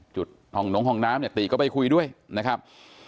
จุดห่องหนงห่องน้ำตีก็ไปคุยด้วยนะครับ